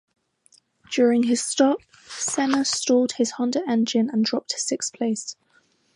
During his stop Senna stalled his Honda engine and dropped to sixth place.